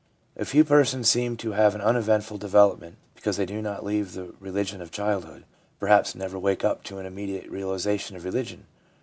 A few persons seem to have an uneventful de velopment because they do not leave the religion of childhood, perhaps never wake up to an immediate realisation of religion.